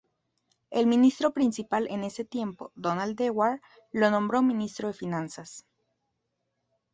El Ministro Principal en ese tiempo, Donald Dewar, lo nombró Ministro de Finanzas.